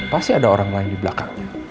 pasti ada orang lain di belakangnya